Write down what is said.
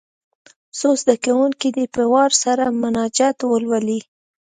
څو زده کوونکي دې په وار سره مناجات ولولي.